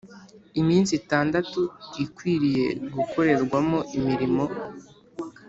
iminsi itandatu ikwiriye gukorerwamo imirimo .